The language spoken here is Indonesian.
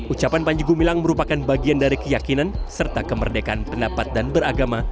ucapan panji gumilang merupakan bagian dari keyakinan serta kemerdekaan pendapat dan beragama